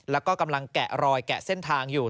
แล้วก็กำลังแกะรอยแกะเส้นทางอยู่